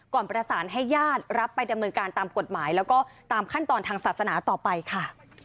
ประสานให้ญาติรับไปดำเนินการตามกฎหมายแล้วก็ตามขั้นตอนทางศาสนาต่อไปค่ะ